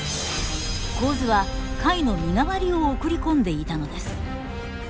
神頭はカイの身代わりを送り込んでいたのです。